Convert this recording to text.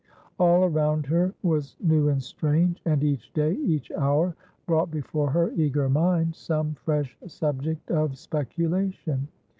All around her was new and strange, and each day, each hour, brought before her eager mind some fresh subject of speculation.